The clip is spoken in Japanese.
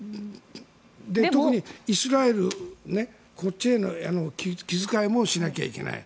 特にイスラエル、こっちへの気遣いもしないといけない。